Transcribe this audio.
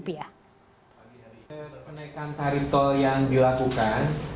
kenaikan tarif tol yang dilakukan